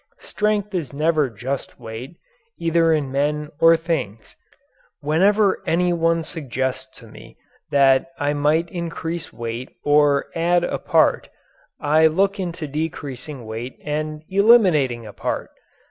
Strength is never just weight either in men or things. Whenever any one suggests to me that I might increase weight or add a part, I look into decreasing weight and eliminating a part!